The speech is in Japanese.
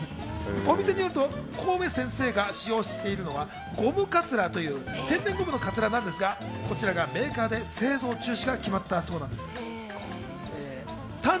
お店によると、コウメ先生が使用してるのはゴムカツラという天然ゴムのカツラなんですが、こちらがメーカーで製造中止が決まったそうなんです。